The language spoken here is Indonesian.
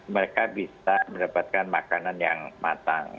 mereka bisa mendapatkan makanan yang matang